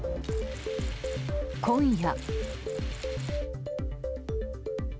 今夜。